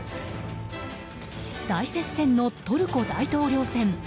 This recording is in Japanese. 大接戦のトルコ大統領選。